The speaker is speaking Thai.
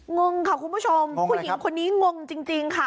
งงค่ะคุณผู้ชมผู้หญิงคนนี้งงจริงค่ะ